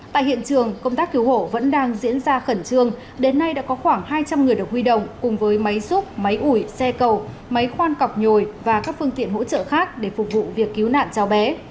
tại hiện trường công tác cứu hộ vẫn đang diễn ra khẩn trương đến nay đã có khoảng hai trăm linh người được huy động cùng với máy xúc máy ủi xe cầu máy khoan cọc nhồi và các phương tiện hỗ trợ khác để phục vụ việc cứu nạn cháu bé